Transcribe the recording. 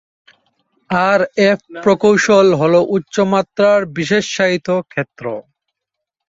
আর F প্রকৌশল হলো উচ্চ মাত্রার বিশেষায়িত ক্ষেত্র।